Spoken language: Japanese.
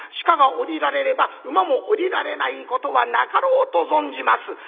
鹿が下りられれば馬も下りられないことはなかろうと存じます」。